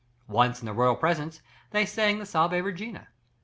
Once in the royal presence, they sang the "Salve Regina."